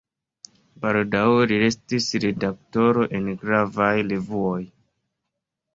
Baldaŭe li estis redaktoro en gravaj revuoj.